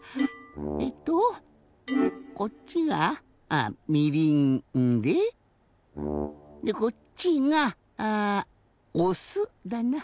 えっとこっちがみりんででこっちがあおすだな？